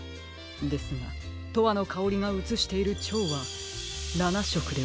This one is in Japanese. ですが「とわのかおり」がうつしているチョウは７しょくではなく５しょくです。